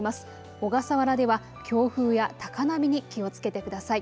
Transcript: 小笠原では強風や高波に気をつけてください。